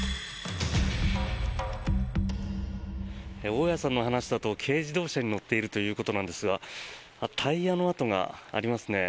大家さんの話だと軽自動車に乗っているということなんですがタイヤの跡がありますね。